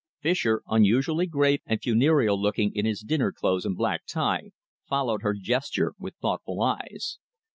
Fischer, unusually grave and funereal looking in his dinner clothes and black tie, followed her gesture with thoughtful eyes.